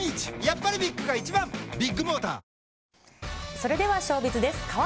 それではショービズです。